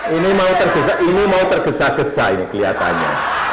ini mau tergesa gesa ini kelihatannya